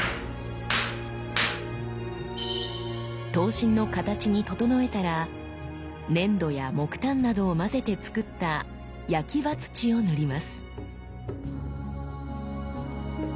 刀身の形に整えたら粘土や木炭などを混ぜて作った焼刃土を塗ります。